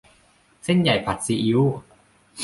เส้นใหญ่ผัดซีอิ๊ว